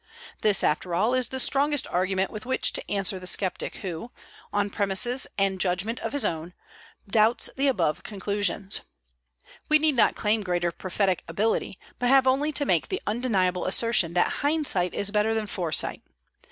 This, after all, is the strongest argument with which to answer the skeptic who, on premises and judgment of his own, doubts the above conclusions. We need not claim greater prophetic ability, but have only to make the undeniable assertion that hindsight is better than foresight.